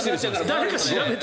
誰か調べて。